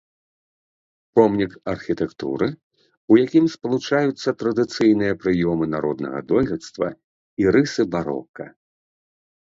Помнік архітэктуры, у якім спалучаюцца традыцыйныя прыёмы народнага дойлідства і рысы барока.